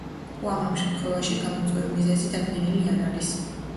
უამრავ შემთხვევაში გამომწვევი მიზეზი დადგენილი არ არის.